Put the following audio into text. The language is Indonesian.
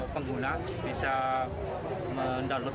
pengguna bisa mendownload